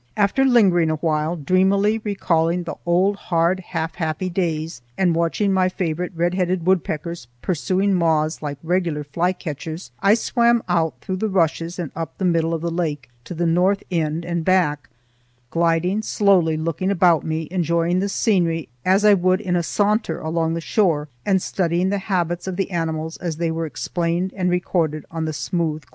After lingering a while, dreamily recalling the old, hard, half happy days, and watching my favorite red headed woodpeckers pursuing moths like regular flycatchers, I swam out through the rushes and up the middle of the lake to the north end and back, gliding slowly, looking about me, enjoying the scenery as I would in a saunter along the shore, and studying the habits of the animals as they were explained and recorded on the smooth glassy water.